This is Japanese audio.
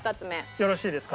よろしいですか？